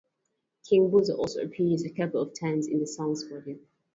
King Buzzo also appears a couple of times in the song's video.